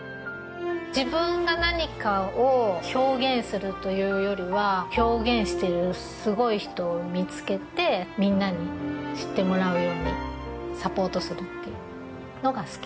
自分が何かを表現するというよりは表現してるすごい人を見つけてみんなに知ってもらうようにサポートするっていうのが好き。